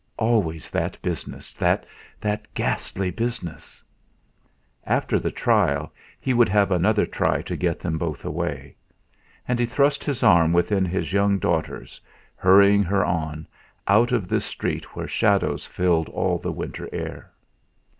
Always that business that ghastly business! After the trial he would have another try to get them both away. And he thrust his arm within his young daughter's, hurrying her on, out of this street where shadows filled all the winter air.